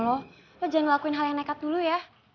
lo jangan lakuin hal yang nekat dulu ya